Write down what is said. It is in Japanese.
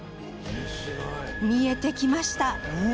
見えてきました！